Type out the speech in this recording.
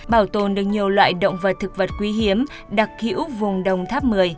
bảo tồn được nhiều loại động vật thực vật quý hiếm đặc hữu vùng đồng tháp một mươi